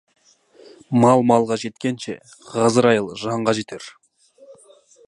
Мал малға жеткенше, ғазырайыл жанға жетер.